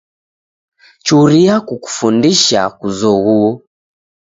Churia kukufundisha kuzoghuo.